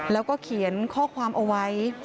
แล้วก็เขียนข้อความเอาไว้